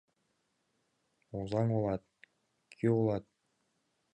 Озаҥ олат — кӱ олат